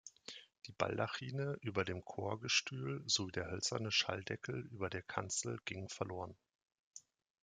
Die Baldachine über dem Chorgestühl sowie der hölzerne Schalldeckel über der Kanzel gingen verloren.